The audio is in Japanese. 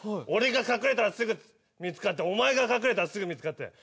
俺が隠れたらすぐ見つかってお前が隠れたらすぐ見つかって。